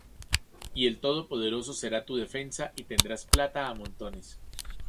Y el Todopoderoso será tu defensa, Y tendrás plata á montones.